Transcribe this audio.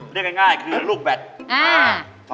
เรียกง่ายคือลูกแบต